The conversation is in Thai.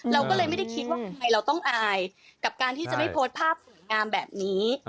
เราก็เลยไม่ได้คิดว่าใครเราต้องอายกับการที่จะไม่โพสต์ภาพสวยงามแบบนี้